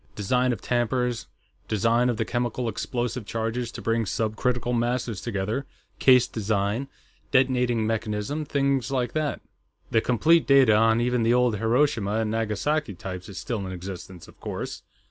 Design of tampers, design of the chemical explosive charges to bring subcritical masses together, case design, detonating mechanism, things like that." "The complete data on even the old Hiroshima and Nagasaki types is still in existence, of course.